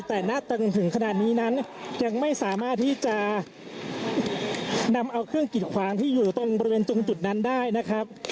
แต่ณตึงถึงขนาดนี้นั้นยังไม่สามารถที่จะนำเอาเครื่องกิดขวางที่อยู่ตรงบริเวณตรงจุดนั้นได้นะครับ